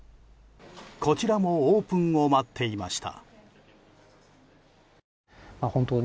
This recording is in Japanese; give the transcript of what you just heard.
こちらもオープンを待っていました。